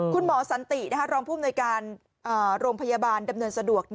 คุณหมอสันติรองผู้อำนวยการโรงพยาบาลดำเนินสะดวก